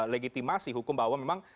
legitimasi hukum bahwa memang